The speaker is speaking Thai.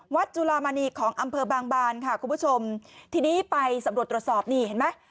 จุลามณีของอำเภอบางบานค่ะคุณผู้ชมทีนี้ไปสำรวจตรวจสอบนี่เห็นไหม